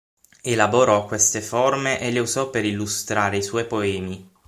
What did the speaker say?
Elaborò queste forme e le usò per illustrare i suoi poemi.